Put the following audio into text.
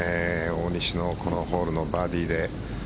大西のこのホールのバーディーで。